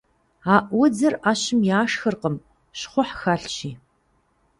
Аӏуудзыр ӏэщым яшхыркъым, щхъухь хэлъщи.